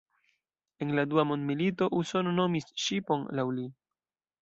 En la dua mondmilito Usono nomis ŝipon laŭ li.